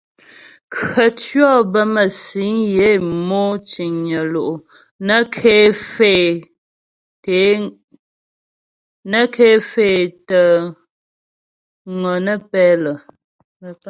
Khətʉɔ̌ bə mə́sîŋ yə é mò ciŋnyə lo'o nə́ ké faə́ é tə́ ŋɔnə́pɛ lə.